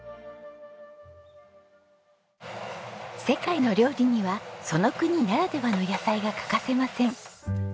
世界の料理にはその国ならではの野菜が欠かせません。